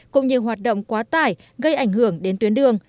cũng như hoạt động quá tải gây ảnh hưởng đến tuyến đường